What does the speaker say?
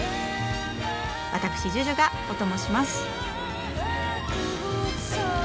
わたくしＪＵＪＵがオトモします。